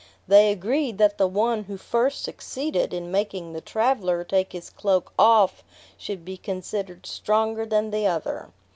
They agreed that the one who first succeeded in making the traveler take his cloak off should be considered stronger than the other.